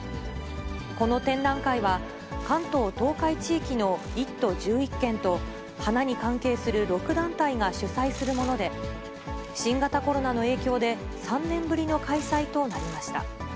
この展覧会は、関東東海地域の１都１１県と、花に関係する６団体が主催するもので、新型コロナの影響で、３年ぶりの開催となりました。